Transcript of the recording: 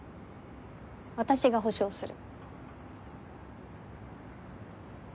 私が保証する。